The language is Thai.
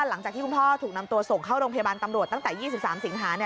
หลังจากที่คุณพ่อถูกนำตัวส่งเข้าโรงพยาบาลตำรวจตั้งแต่๒๓สิงหา